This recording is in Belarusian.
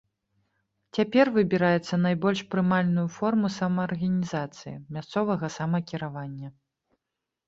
Цяпер выбіраецца найбольш прымальную форму самаарганізацыі, мясцовага самакіравання.